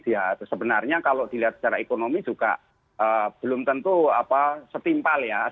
ya sebenarnya kalau dilihat secara ekonomi juga belum tentu setimpal ya